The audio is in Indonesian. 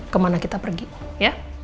kemana kita pergi ya